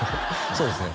そうですね